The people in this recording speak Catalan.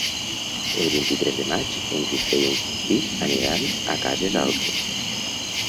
El vint-i-tres de maig en Guifré i en Quintí aniran a Cases Altes.